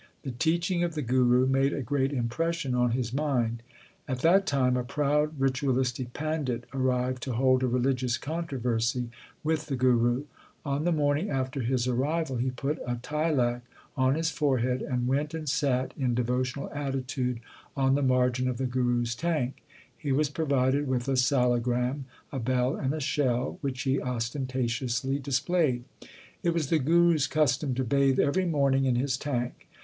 The teaching of the Guru made a great impression on his mind. At that time a proud ritualistic pandit arrived to hold a religious controversy with the Guru. On the morning after his arrival he put a tilak on his forehead and went and sat in devotional attitude on the margin of the Guru s tank. He was provided with a salagram, a bell, and a shell, which he ostentatiously displayed. It was the Guru s custom to bathe every morning in his tank.